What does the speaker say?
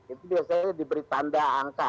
itu biasanya diberi tanda angka